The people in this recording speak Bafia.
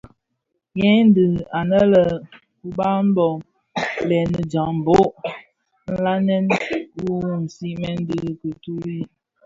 Hei dhi ňannë uba bo: lènii djambhog ňanèn u sigmèn di kituri,